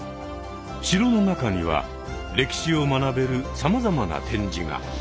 城の中には歴史を学べるさまざまな展示が。